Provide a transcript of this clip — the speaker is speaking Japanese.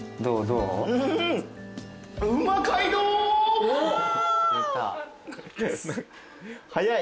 うまい。